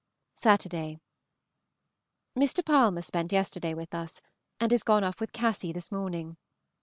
Saturday. Mr. Palmer spent yesterday with us, and is gone off with Cassy this morning.